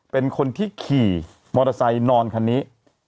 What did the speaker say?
เป็นคนที่ขี่มอเตอร์ไซค์นอนคันนี้